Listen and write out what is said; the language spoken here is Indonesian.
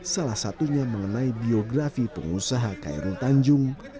salah satunya mengenai biografi pengusaha khairul tanjung